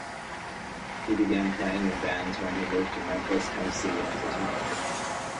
He began playing in bands when he moved to Memphis, Tennessee, as a teenager.